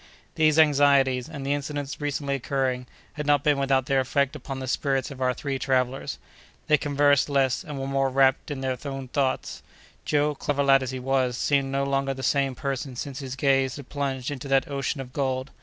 These anxieties, and the incidents recently occurring, had not been without their effect upon the spirits of our three travellers. They conversed less, and were more wrapt in their own thoughts. Joe, clever lad as he was, seemed no longer the same person since his gaze had plunged into that ocean of gold.